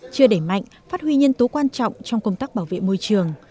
chưa đẩy mạnh phát huy nhân tố quan trọng trong công tác bảo vệ môi trường